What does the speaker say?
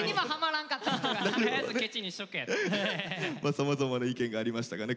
さまざまな意見がありましたがね